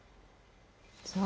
そう。